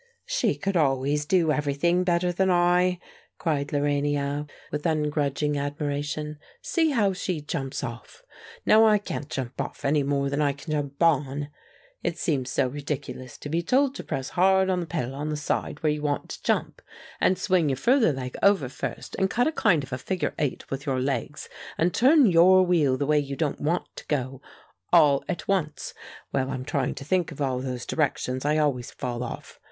"She could always do everything better than I," cried Lorania, with ungrudging admiration. "See how she jumps off! Now I can't jump off any more than I can jump on. It seems so ridiculous to be told to press hard on the pedal on the side where you want to jump, and swing your further leg over first, and cut a kind of a figure eight with your legs, and turn your wheel the way you don't want to go all at once. While I'm trying to think of all those directions I always fall off.